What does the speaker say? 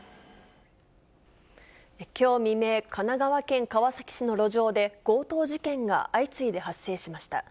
きょう未明、神奈川県川崎市の路上で、強盗事件が相次いで発生しました。